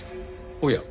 おや？